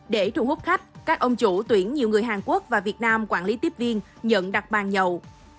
để thu hút khách các ông chủ tuyển nhiều người hàn quốc và việt nam quản lý tiếp viên nhận đặt bàn nhậu